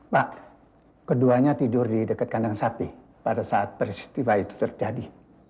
pak keduanya tidur di dekat kandang sapi pada saat peristiwa itu terjadi